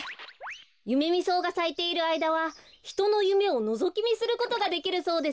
ユメミソウがさいているあいだはひとのゆめをのぞきみすることができるそうですよ。